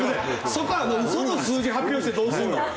そこ嘘の数字発表してどうするの？